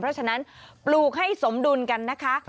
เพราะฉะนั้นปลูกให้สมดุลกันนะคะ